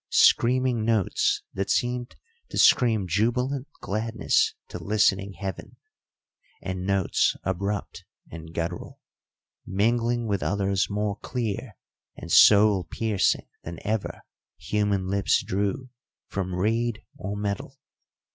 screaming notes that seemed to scream jubilant gladness to listening heaven, and notes abrupt and guttural, mingling with others more clear and soul piercing than ever human lips drew from reed or metal.